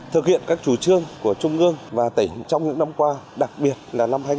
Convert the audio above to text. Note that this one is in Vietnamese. thực hiện các chủ trương của trung ương và tỉnh trong những năm qua đặc biệt là năm hai nghìn một mươi chín